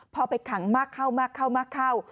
พอไปขังมากเข้ามากเข้ามากเข้า